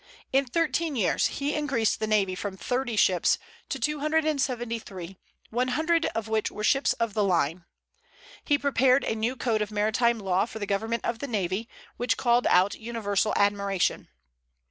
In thirteen years he increased the navy from thirty ships to two hundred and seventy three, one hundred of which were ships of the line. He prepared a new code of maritime law for the government of the navy, which called out universal admiration.